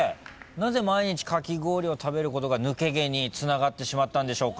なぜ毎日かき氷を食べることが抜け毛につながってしまったんでしょうか？